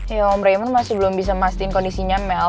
ya om raymond masih belum bisa mastiin kondisinya mel